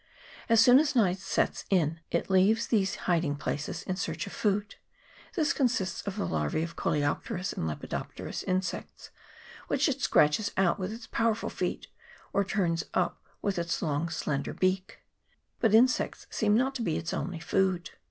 As soon as night sets in it leaves these hiding places in search of food : this consists of the larvae of coleopterous and lepidop terous insects, which it scratches out with its pow 232 THE KIWI KIWI ; [PART n. erful feet, or turns up with its long slender beak. But insects seem not to be its only food.